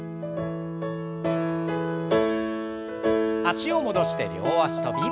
脚を戻して両脚跳び。